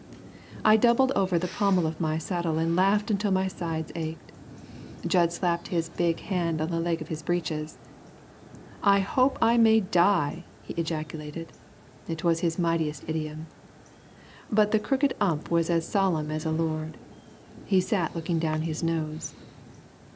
I doubled over the pommel of my saddle and laughed until my sides ached. Jud slapped his big hand on the leg of his breeches. "I hope I may die!" he ejaculated. It was his mightiest idiom. But the crooked Ump was as solemn as a lord. He sat looking down his nose.